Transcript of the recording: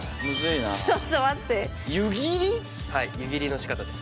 はい湯切りのしかたです。